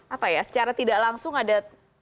apa ya secara tidak langsung ada